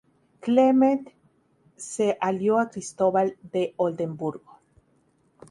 Clement se alió a Cristóbal de Oldenburgo.